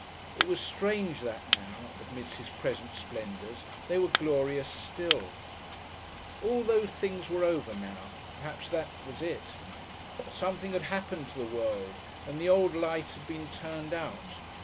It was strange that now, amidst his present splendours, they were glorious still! All those things were over now perhaps that was it! Something had happened to the world and the old light had been turned out.